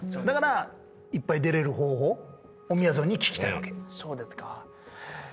だからいっぱい出れる方法をみやぞんに聞きたいわけ。